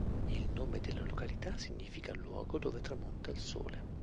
Il nome della località significa "luogo dove tramonta il sole".